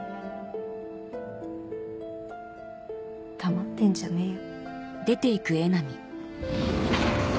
黙ってんじゃねえよ